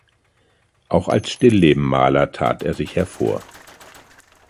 Auch als Stilllebenmaler tat er sich hervor.